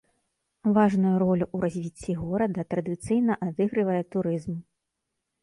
Важную ролю ў развіцці горада традыцыйна адыгрывае турызм.